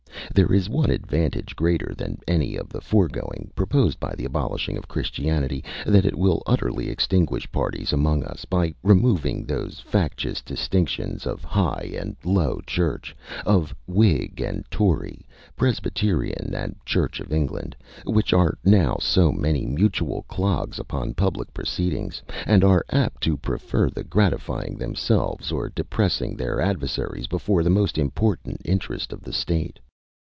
There is one advantage greater than any of the foregoing, proposed by the abolishing of Christianity, that it will utterly extinguish parties among us, by removing those factious distinctions of high and low church, of Whig and Tory, Presbyterian and Church of England, which are now so many mutual clogs upon public proceedings, and are apt to prefer the gratifying themselves or depressing their adversaries before the most important interest of the State.